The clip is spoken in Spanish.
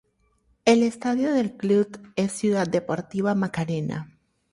El estadio del club es "Ciudad Deportiva Maracena".